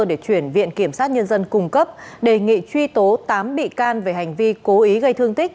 để chuyển viện kiểm sát nhân dân cung cấp đề nghị truy tố tám bị can về hành vi cố ý gây thương tích